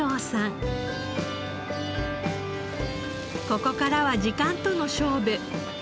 ここからは時間との勝負。